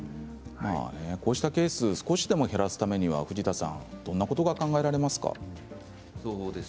こうしたケースを少しでも減らすためには藤田さん、どんなことが考えられますか。